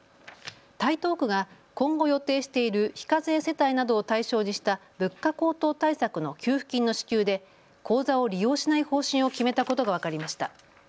台東区が今後、予定している非課税世帯などを対象にした物価高騰対策の給付金の支給で口座を利用しない方針を決めたことが分かりました。